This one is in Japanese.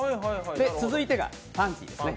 続いてはパンティーですね。